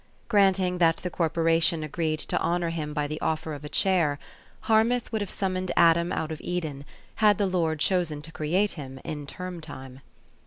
Granting that the corporation agreed to honor him by the offer of a chair, Harmouth would have summoned Adam out of Eden, had the Lord chosen to create him in term time.